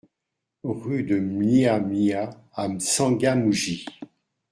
RUE DE MLIHA - MLIHA à M'Tsangamouji